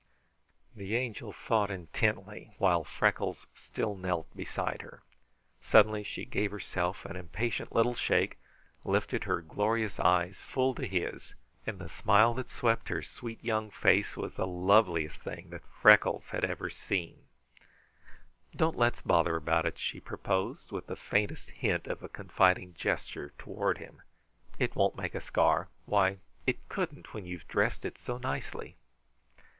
The Angel thought intently, while Freckles still knelt beside her. Suddenly she gave herself an impatient little shake, lifted her glorious eyes full to his, and the smile that swept her sweet, young face was the loveliest thing that Freckles ever had seen. "Don't let's bother about it," she proposed, with the faintest hint of a confiding gesture toward him. "It won't make a scar. Why, it couldn't, when you have dressed it so nicely."